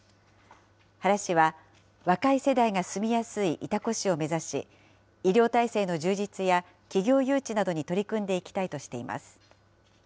原氏は、若い世代が住みやすい潮来市を目指し、医療体制の充実や企業誘致などに取り組んでいきたいとしています。